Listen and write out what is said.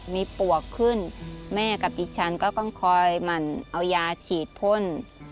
มีปวกขึ้นแม่กับดิฉันก็ต้องคอยหมั่นเอายาฉีดพ่น